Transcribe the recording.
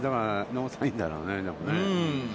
ノーサインだろうね。